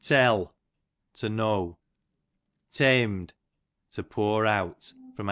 Tell, to know. Tem'd, to pour out, A.